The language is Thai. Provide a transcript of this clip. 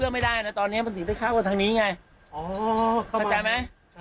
เข้ามาข้าวันข้าวันข้าวันข้าวันข้าวันข้าวันข้าวัน